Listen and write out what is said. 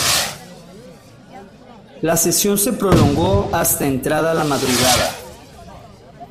La sesión se prolongó hasta entrada la madrugada.